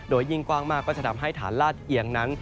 โดยยิ่งกว้างมากก็จะทำให้ฐานลาดเอียงนั้น